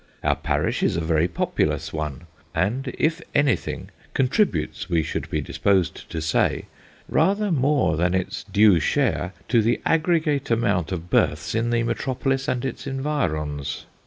Our parish is a very populous one, and, if anything, contributes, we should be disposed to say, rather more than 28 S ketches by Boz. its due share to the aggregate amount of births in the metropolis and its environs.